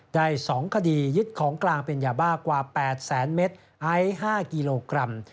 ได้๒คดียึดของกลางเป็นยาบ้ากว่า๘แสนเมตรไอซ์๕กิโลกรัม